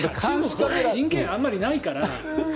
人権があまりないから。